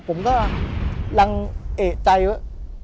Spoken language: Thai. ผมก็ยังเอกใจว่า